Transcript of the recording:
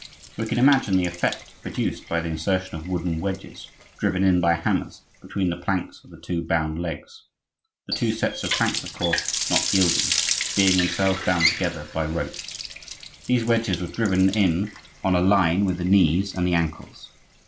We can imagine the effect produced by the insertion of wooden wedges, driven in by hammers between the planks of the two bound legs,—the two sets of planks of course not yielding, being themselves bound together by ropes. These wedges were driven in on a line with the knees and the ankles.